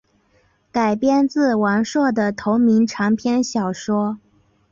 改编自王朔的同名长篇小说。